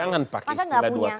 jangan pakai istilah dua kaki